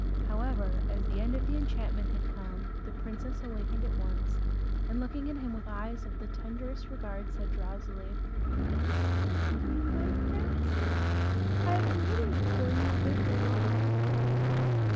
However, as the end of the enchantment had come, the princess awakened at once, and looking at him with eyes of the tenderest regard, said drowsily, "Is it you, my prince? I have waited for you very long."